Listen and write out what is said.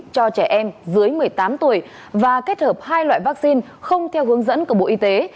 cho trẻ em dưới một mươi tám tuổi và kết hợp hai loại vaccine không theo hướng dẫn của bộ y tế